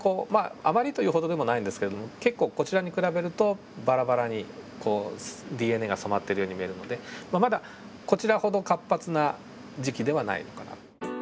あまりというほどでもないんですけれども結構こちらに比べるとバラバラにＤＮＡが染まっているように見えるのでまあまだこちらほど活発な時期ではないのかな。